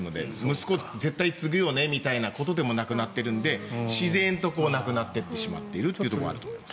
息子絶対継ぐよねみたいなことでもなくなっているので自然となくなってってしまっているところはあると思います。